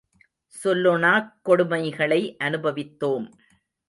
சொல்லொணாக் கொடுமைகளை அனுபவித்தோம்.